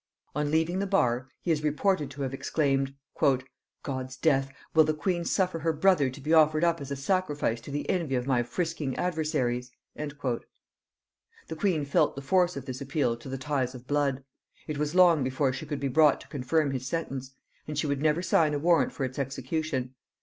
On leaving the bar, he is reported to have exclaimed, "God's death! will the queen suffer her brother to be offered up as a sacrifice to the envy of my frisking adversaries!" The queen felt the force of this appeal to the ties of blood. It was long before she could be brought to confirm his sentence, and she would never sign a warrant for its execution.